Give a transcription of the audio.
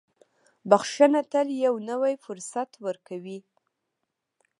• بښنه تل یو نوی فرصت ورکوي.